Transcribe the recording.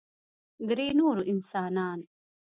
درې نور انسانان